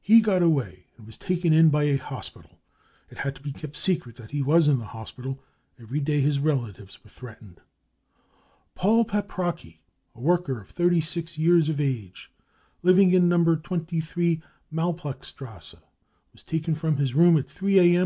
He got away, and was taken in by a hospital. It had to be kept secret that he was in the hospital ; every day his relatives were threatened. 55 " Paul Paprocki, a worker of 36 years of age, living in number 23, Malplakstrasse, was^aken from his ro om^3 t |,_ 3 a.m.